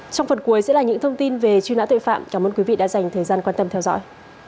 trong phần cuối sẽ là những thông tin về truy nã tội phạm cảm ơn quý vị đã dành thời gian quan tâm theo dõi